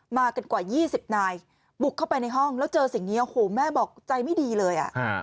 มากันกว่า๒๐นายบุกเข้าไปในห้องแล้วเจอสิ่งนี้โอ้โหแม่บอกใจไม่ดีเลย